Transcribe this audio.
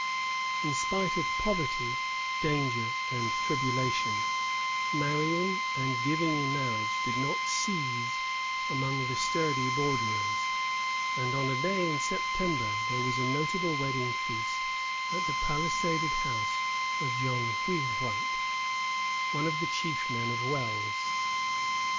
In spite of poverty, danger, and tribulation, marrying and giving in marriage did not cease among the sturdy borderers; and on a day in September there was a notable wedding feast at the palisaded house of John Wheelwright, one of the chief men of Wells.